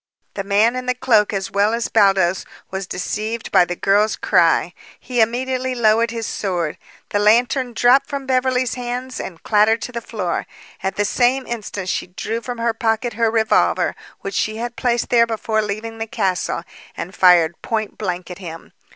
The man in the cloak as well as Baldos was deceived by the girl's cry. He immediately lowered his sword. The lantern dropped from Beverly's hands and clattered to the floor. At the same instant she drew from her pocket her revolver, which she had placed there before leaving the castle, and fired point blank at him.